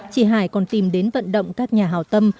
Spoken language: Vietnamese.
chị hải còn tìm đến vận động các nhà hào tâm